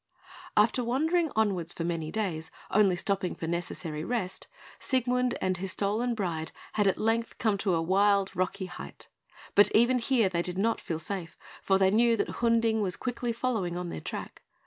After wandering onwards for many days, only stopping for necessary rest, Siegmund and his stolen bride had at length come to a wild, rocky height; but even here they did not feel safe, for they knew that Hunding was quickly following on their track.